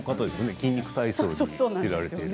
「筋肉体操」に出られている。